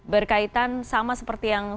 berkaitan sama seperti yang